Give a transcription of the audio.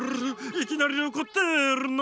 いきなりおこってるの！